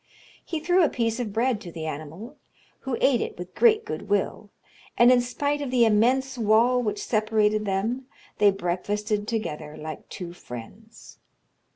He threw a piece of bread to the animal, who ate it with great good will; and, in spite of the immense wall which separated them, they breakfasted together like two friends.